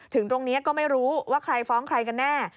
ถึงตรงนี้ก็ไม่รู้ว่าใครฟ้องใครกันแน่